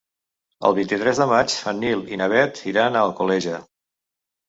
El vint-i-tres de maig en Nil i na Bet iran a Alcoleja.